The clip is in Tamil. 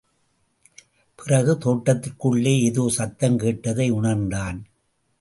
பிறகு, தோட்டத்திற்குள்ளே ஏதோ சத்தம் கேட்பதை உணர்ந்தான்.